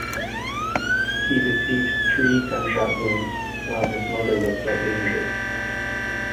He received three gunshot wounds while his mother was slightly injured.